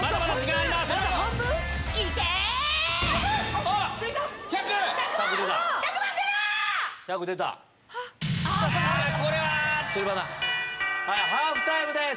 はいハーフタイムです。